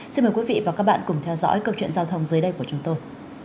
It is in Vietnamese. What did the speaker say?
xin mời quý vị và các bạn cùng theo dõi câu chuyện giao thông dưới đây của chúng tôi